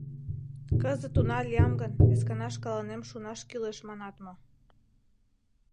— Кызыт уна лиям гын, вескана шкаланем шунаш кӱлеш манат мо?